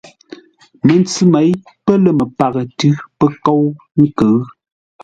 Məntsʉ měi pə̂ lə́ məpaghʼə tʉ̌ pə́ kóu nkʉ̌ʉ.